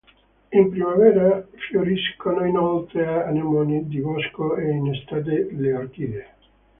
In primavera fioriscono inoltre anemoni di bosco e in estate le orchidee.